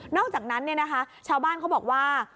อกจากนั้นชาวบ้านเขาบอกว่า